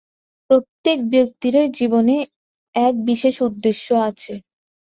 প্রত্যেক ব্যক্তিরই জীবনে এক বিশেষ উদ্দেশ্য আছে।